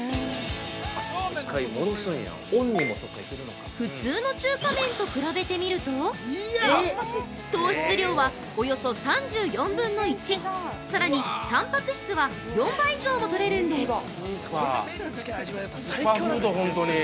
◆普通の中華麺と比べてみると糖質量はおよそ３４分の１、さらにタンパク質は４倍以上もとれるんです！